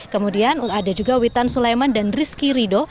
kemudian ada juga witan sulaiman dan rizky rido